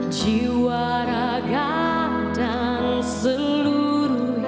jiwa raga dan seluruh